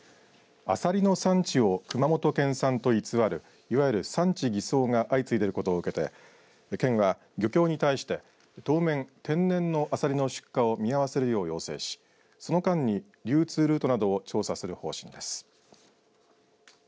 アサリの産地を熊本県産と偽るいわゆる産地偽装が相次いでいることを受けて県は、漁協に対して当面、天然のアサリの出荷を見合わせるよう要請しその間に、流通ルートなどを調査する方針です。